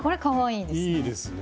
いいですね。